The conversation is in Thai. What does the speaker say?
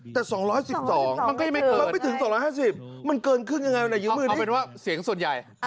แต่๒๑๒มันก็ยังไม่เกินมันเกินครึ่งอย่างไรนะอยู่มือดีเอาเป็นว่าเสียงส่วนใหญ่